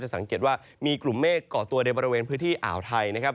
สังเกตว่ามีกลุ่มเมฆก่อตัวในบริเวณพื้นที่อ่าวไทยนะครับ